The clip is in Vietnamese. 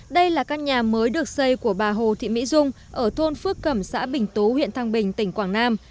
đây là căn nhà mới được xây của bà hồ thị mỹ dung ở thôn phước cẩm xã bình tú huyện thăng bình tỉnh quảng nam